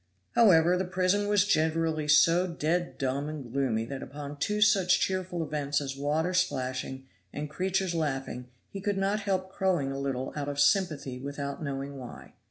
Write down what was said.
However, the prison was generally so dead dumb and gloomy that upon two such cheerful events as water splashing and creatures laughing he could not help crowing a little out of sympathy without knowing why.